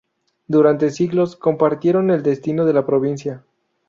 Durante siglos, compartieron el destino de la provincia.